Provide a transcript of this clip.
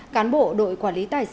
cán bộ đội quản lý tài sản và trang sát